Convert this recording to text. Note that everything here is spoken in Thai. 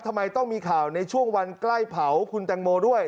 ทำไมต้องมีข่าวในช่วงวันใกล้เผาคุณแตงโมด้วย